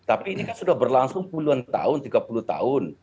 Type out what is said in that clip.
tapi ini kan sudah berlangsung puluhan tahun tiga puluh tahun